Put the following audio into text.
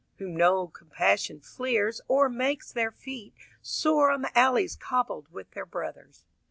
Whom no compassion fleers Or makes their feet Sore on the alleys cobbled with their brothers.